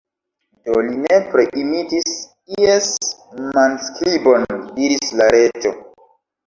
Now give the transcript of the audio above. "Do, li nepre imitis ies manskribon," diris la Reĝo.